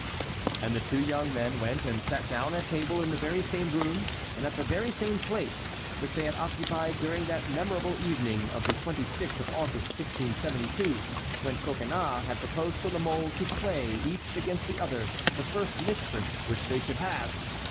And the two young men went and sat down at table in the very same room and at the very same place which they had occupied during that memorable evening of the twenty sixth of August, 1572, when Coconnas had proposed to La Mole to play each against the other the first mistress which they should have!